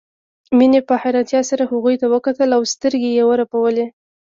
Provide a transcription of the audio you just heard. مينې په حيرانتيا سره هغوی ته وکتل او سترګې يې ورپولې